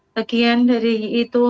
bagian dari itu